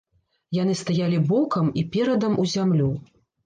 Яны стаялі бокам і перадам у зямлю.